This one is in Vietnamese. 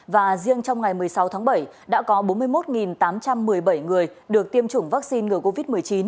và riêng trong ngày một mươi sáu tháng bảy đã có bốn mươi một tám trăm một mươi bảy người được tiêm chủng vaccine ngừa covid một mươi chín